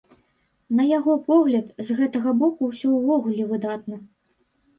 На яго погляд, з гэтага боку ўсё ўвогуле выдатна.